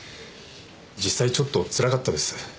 実際ちょっとつらかったです。